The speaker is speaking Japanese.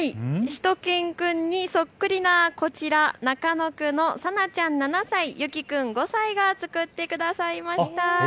しゅと犬くんにそっくりなこちら、中野区のさなちゃん７歳、ゆき君５歳が作ってくださいました。